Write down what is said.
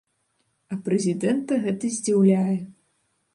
А прэзідэнта гэта здзіўляе.